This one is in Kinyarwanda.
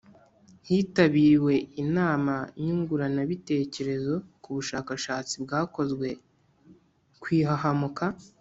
Hitabiriwe inama nyunguranabitekerezo ku bushakashatsi bwakozwe ku ihahamuka